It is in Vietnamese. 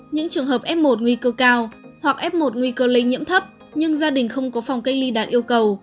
những trường hợp f một nguy cơ cao hoặc f một nguy cơ lây nhiễm thấp nhưng gia đình không có phòng cách ly đạt yêu cầu